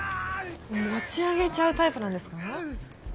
持ち上げちゃうタイプなんですか？